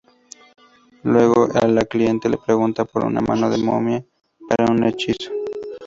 Luego, la cliente le pregunta por una mano de momia para un hechizo.